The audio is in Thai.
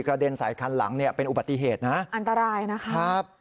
กระเด็นสายคันหลังเนี้ยเป็นอุบัติเหตุนะฮะอันตรายนะครับครับ